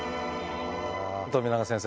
富永先生